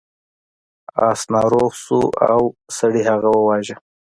اس ناروغ شو او سړي هغه وواژه.